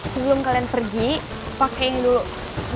sebelum kalian pergi pakai yang dulu